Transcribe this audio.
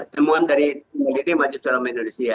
temuan dari peneliti majelis ulama indonesia